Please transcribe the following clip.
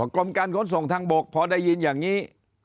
กรมการขนส่งทางบกพอได้ยินอย่างนี้